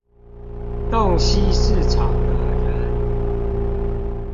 洞悉市場的人